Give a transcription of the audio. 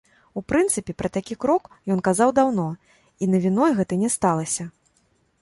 У прынцыпе, пра такі крок ён казаў даўно, і навіной гэта не сталася.